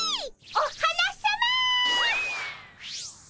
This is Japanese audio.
お花さま！